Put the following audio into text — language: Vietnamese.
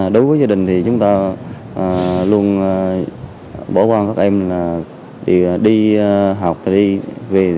đối với gia đình thì chúng ta luôn bỏ qua các em đi học đi về